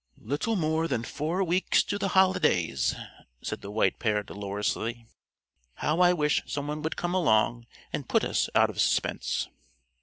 "Little more than four weeks to the holidays," said the White Pair dolorously. "How I wish some one would come along and put us out of suspense."